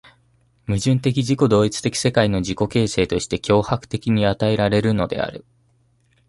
矛盾的自己同一的世界の自己形成として強迫的に与えられるのである。